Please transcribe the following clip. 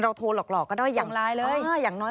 เราโทรหลอกหลอกก็ได้อย่างน้อย